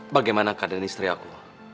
bagaimana keadaan istri aku